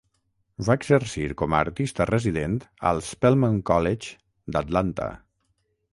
Va exercir com a artista resident al Spelman College d'Atlanta.